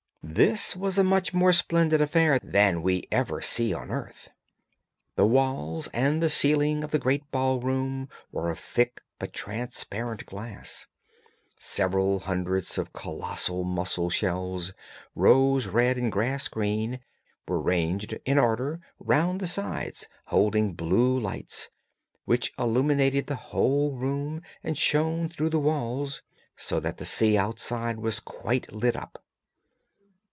This was a much more splendid affair than we ever see on earth. The walls and the ceiling of the great ballroom were of thick but transparent glass. Several hundreds of colossal mussel shells, rose red and grass green, were ranged in order round the sides holding blue lights, which illuminated the whole room and shone through the walls, so that the sea outside was quite lit up.